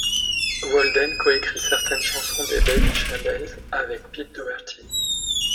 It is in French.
Walden coécrit certaines chansons des Babyshambles avec Pete Doherty.